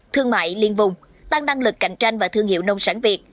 thương mại liên vùng tăng năng lực cạnh tranh và thương hiệu nông sản việt